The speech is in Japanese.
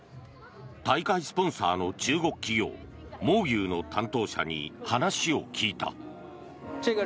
大会スポンサーの中国企業蒙牛の担当者に話を聞いた。